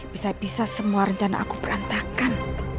bisa bisa semua rencana aku berantakan